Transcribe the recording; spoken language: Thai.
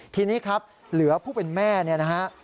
ทีนี้ครับเหลือผู้เป็นแม่เนี่ยนะฮะ